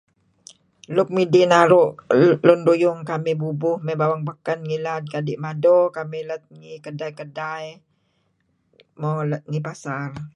Luk midih naru' lun ruyung kamih bubuh mey bawang beken ngilad kadi' mado kamih let kedai-kedai, mo, let ngi pasar.